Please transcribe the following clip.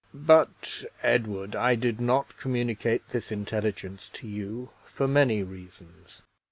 But, Edward, I did not communicate this intelligence to you for many reasons.